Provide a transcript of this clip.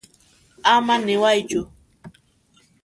Ama niwaychu.